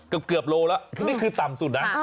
กระเกือบโลละนี่คือต่ำสุดนะ